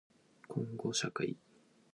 こんごしゃかい